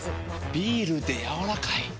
ビールでやわらかい。